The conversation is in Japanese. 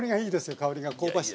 香りが香ばしい。